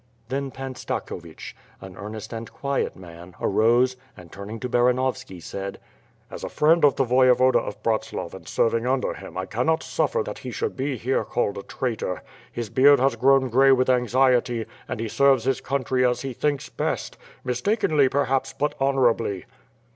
Then Pan Stakhovich, an earaest and quiet man, arose and, turning to Baranovski, said: "As a friend' of the Voyevoda of Bratslav and serving under him I cannot suffer that he should be here called a traitor. His beard has grown gray with anxiety, and he serves his country as he thinks best. Mistakenly, perhaps, but honor ably."